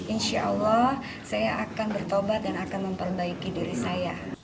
insya allah saya akan bertobat dan akan memperbaiki diri saya